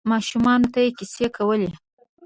ماشومانو ته یې کیسې کولې.